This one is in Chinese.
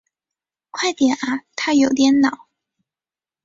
快点啊他有点恼